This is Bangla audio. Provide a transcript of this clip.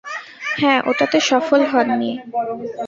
হ্যাঁ, ওটাতে সফল হননি।